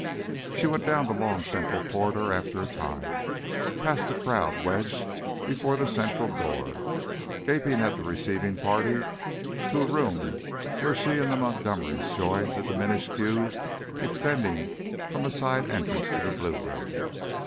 She went down the long central corridor after a time, past the crowd wedged before the central door, gaping at the receiving party, to a room where she and the Montgomerys joined the diminished queue extending from a side entrance to the Blue Room.